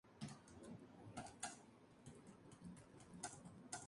Habita las selvas de la península de Malaca, Borneo y Sumatra.